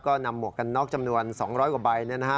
ก็นำหมวกกันน็อกจำนวน๒๐๐กว่าใบ